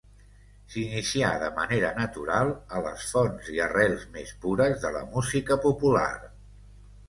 S'inicià de manera natural a les fonts i arrels més pures de la música popular.